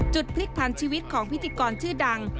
พลิกพันชีวิตของพิธีกรชื่อดัง